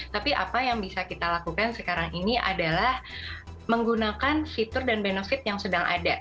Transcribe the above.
tapi apa yang bisa kita lakukan sekarang ini adalah menggunakan fitur dan benefit yang sedang ada